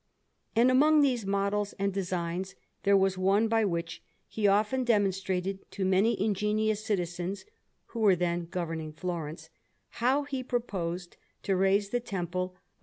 And among these models and designs, there was one by which he often demonstrated to many ingenious citizens, who were then governing Florence, how he proposed to raise the Temple of S.